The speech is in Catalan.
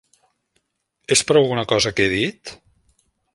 És per alguna cosa que he dit?